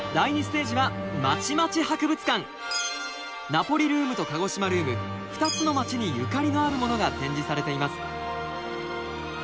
ナポリルームと鹿児島ルーム２つの街にゆかりのあるものが展示されています。